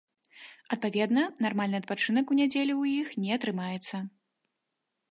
Адпаведна, нармальны адпачынак у нядзелю ў іх не атрымаецца.